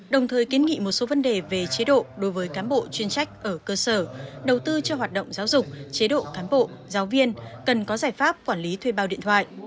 đồng thời kiến nghị một số vấn đề về chế độ đối với cán bộ chuyên trách ở cơ sở đầu tư cho hoạt động giáo dục chế độ cán bộ giáo viên cần có giải pháp quản lý thuê bao điện thoại